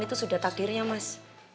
itu sudah takdirnya mas